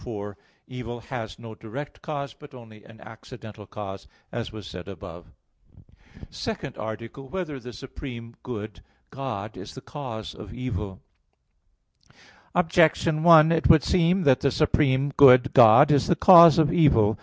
4: Evil has no direct cause, but only an accidental cause, as was said above. _______________________ SECOND ARTICLE [I, Q. 49, Art. 2] Whether the Supreme Good, God, Is the Cause of Evil? Objection 1: It would seem that the supreme good, God, is the cause of evil.